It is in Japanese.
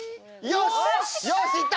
よしいった！